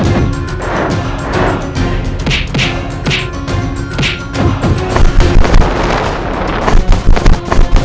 dia layak aku jadikan guru